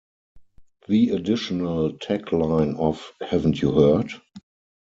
The additional tagline of Haven't you heard?